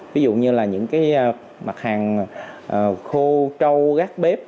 ví dụ như mặt hàng khô trâu gác bếp